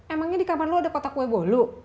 emangnya di kamar lo ada kotak kue bolu